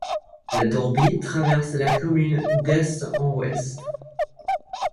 La Dourbie traverse la commune d'est en ouest.